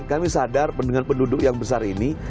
kami sadar pendudukan penduduk yang besar ini